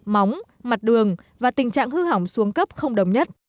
móng mặt đường và tình trạng hư hỏng xuống cấp không đồng nhất